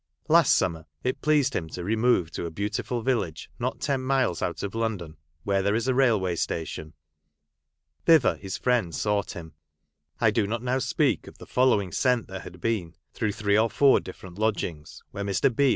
Last summer it pleased him to remove to a beautiful village not ten miles out of London, where there is a railway station. Thither his friend sought him. (I do not now speak of the following scent there had been through three or four different lodgings, where Mr. B.